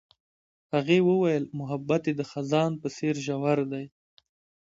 هغې وویل محبت یې د خزان په څېر ژور دی.